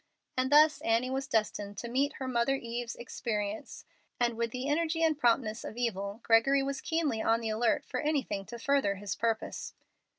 And thus Annie was destined to meet her mother Eve's experience; and with the energy and promptness of evil Gregory was keenly on the alert for anything to further his purpose.